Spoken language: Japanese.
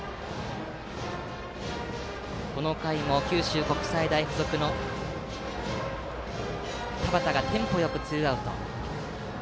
この回も九州国際大付属の田端がテンポよくツーアウト。